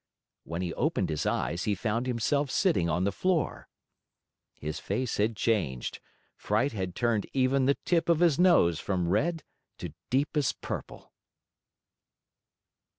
When he opened his eyes, he found himself sitting on the floor. His face had changed; fright had turned even the tip of his nose from red to deepest purple.